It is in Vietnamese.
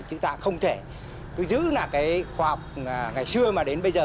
chúng ta không thể cứ giữ khoa học ngày xưa mà đến bây giờ